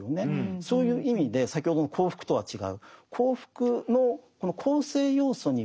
そういう意味で先ほどの幸福とは違う。